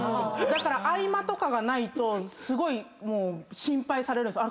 だから合間とかがないとすごいもう心配される。